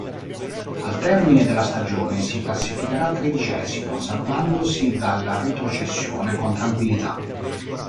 Al termine della stagione si classificherà tredicesimo, salvandosi dalla retrocessione con tranquillità.